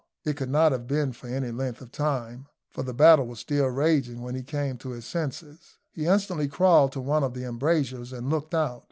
It could not have been for any length of time, for the battle was still raging when he came to his senses. He instantly crawled to one of the embrasures, and looked out.